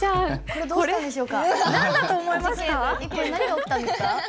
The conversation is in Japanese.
これ何が起きたんですか？